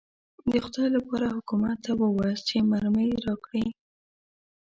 د خدای لپاره حکومت ته ووایاست چې مرمۍ راکړي.